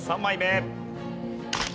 ３枚目。